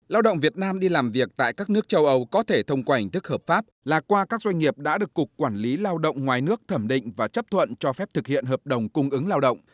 lao động việt nam đi làm việc tại các nước châu âu có thể thông qua ảnh thức hợp pháp là qua các doanh nghiệp đã được cục quản lý lao động ngoài nước thẩm định và chấp thuận cho phép thực hiện hợp đồng cung ứng lao động